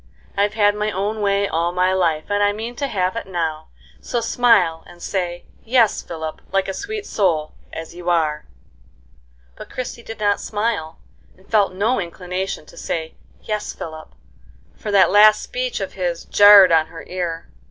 I've had my own way all my life, and I mean to have it now, so smile, and say, 'Yes, Philip,' like a sweet soul, as you are." But Christie did not smile, and felt no inclination to say "Yes, Philip," for that last speech of his jarred on her ear.